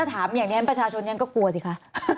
ถามอย่างนี้ประชาชนยังก็กลัวสิคะ